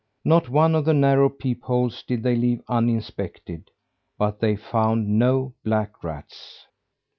Not one of the narrow peep holes did they leave uninspected, but they found no black rats.